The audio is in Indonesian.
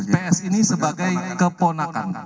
ps ini sebagai keponakan